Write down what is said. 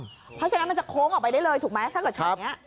เพราะฉะนั้นมันจะโค้งออกไปได้เลยถูกไหมถ้าเกิดช็อตนี้